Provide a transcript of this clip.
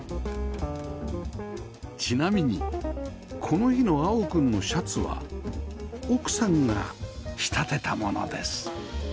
ちなみにこの日の碧くんのシャツは奥さんが仕立てたものです